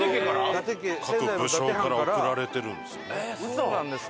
そうなんですか？